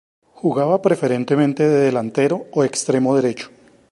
Jugaba preferentemente de delantero o extremo derecho.